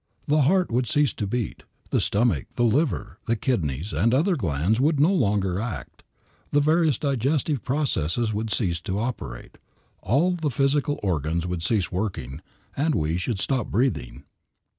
The heart would cease to beat, the stomach, the liver, the kidneys and the other glands would no longer act, the various digestive processes would cease to operate, all the physical organs would cease working, and we should stop breathing.